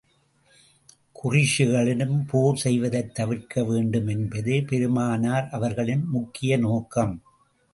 குறைஷிகளுடன் போர் செய்வதைத் தவிர்க்க வேண்டும் என்பதே பெருமானார் அவர்களின் முக்கிய நோக்கம்.